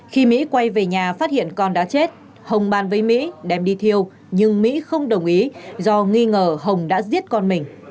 khi mỹ quay về nhà phát hiện con đã chết hồng bàn với mỹ đem đi thiêu nhưng mỹ không đồng ý do nghi ngờ hồng đã giết con mình